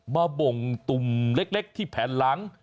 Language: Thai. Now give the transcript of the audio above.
บ่งตุ่มเล็กที่แผ่นหลัง